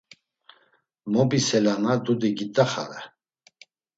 Mobiselana dudi git̆axare.